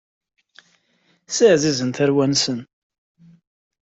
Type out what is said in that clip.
Ssiɛzizen tarwan-nsen.